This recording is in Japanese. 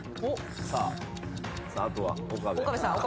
あとは岡部。